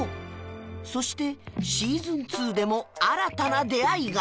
そしてシーズン２でも新たな出会いが